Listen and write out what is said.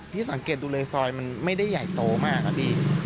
พี่สังเกตเลยดูซอยมันไม่ได้ใหญ่โตมากค่ะพี่